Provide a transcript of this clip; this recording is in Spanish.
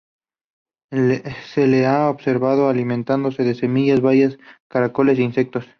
Se le ha observado alimentándose de semillas, bayas, caracoles e insectos.